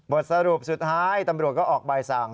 สรุปสุดท้ายตำรวจก็ออกใบสั่ง